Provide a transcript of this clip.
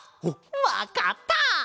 わかった！